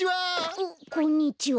おっこんにちは。